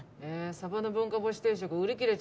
サバの文化干し定食売り切れちゃう。